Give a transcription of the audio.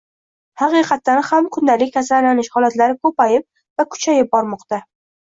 Haqiqatan ham, kundalik kasallanish holatlari koʻpayib va kuchayib bormoqda.